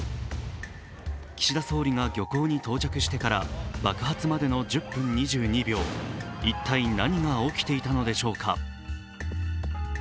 岸田総理が漁港に到着してから爆発までの１０分２２秒、一体何が起きていたのでしょうか。